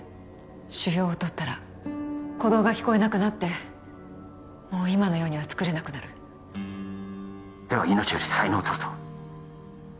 腫瘍をとったら鼓動が聞こえなくなってもう今のようには作れなくなるでは命より才能を取ると？